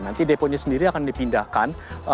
nanti deponya sendiri akan dipindahkan